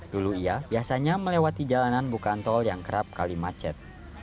dulu ia biasanya melewati jalanan bukan tol yang kerap kali macet